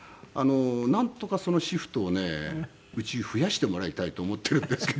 なんとかそのシフトをねうち増やしてもらいたいと思っているんですけど。